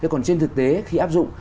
còn trên thực tế khi áp dụng